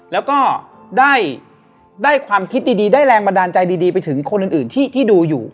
แล้วก็ได้ได้ความคิดดีดีได้แรงบันดาลใจดีดีไปถึงคนอื่นอื่นที่ที่ดูอยู่